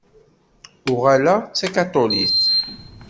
Uɣaleɣ d takaṭulit.